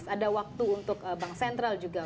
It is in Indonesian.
ada waktu untuk bank sentral juga